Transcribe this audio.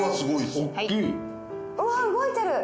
うわっ動いてる！